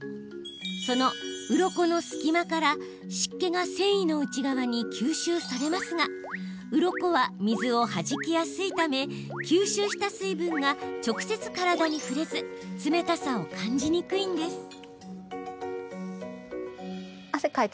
そのうろこの隙間から湿気が繊維の内側に吸収されますがうろこは水を弾きやすいため吸収した水分が直接、体に触れず冷たさを感じにくいんです。